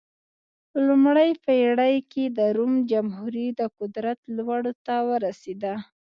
په لومړۍ پېړۍ کې د روم جمهوري د قدرت لوړو ته ورسېده.